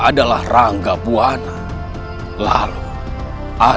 aku harus membantu dia